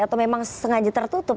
atau memang sengaja tertutup